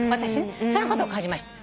そういうことを感じました。